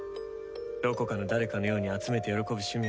どこかの誰かのように集めて喜ぶ趣味はない。